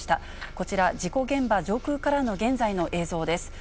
こちら、事故現場上空からの現在の映像です。